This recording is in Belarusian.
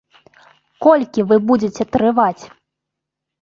Колькі вы будзеце трываць?